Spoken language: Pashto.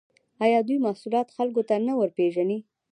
آیا دوی محصولات خلکو ته نه ورپېژني؟